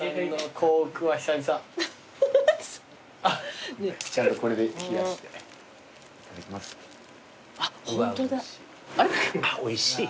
あっおいしい。